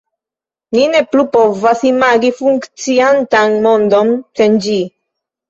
Ni ne plu povas imagi funkciantan mondon sen ĝi.